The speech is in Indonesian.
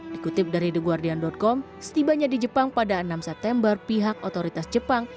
dikutip dari the guardian com setibanya di jepang pada enam september pihak otoritas jepang